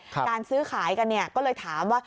การซื้อขายกันก็เลยถามว่า